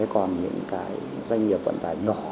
còn những doanh nghiệp vận tải nhỏ